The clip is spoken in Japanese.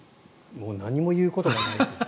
もう何も言うことがないという。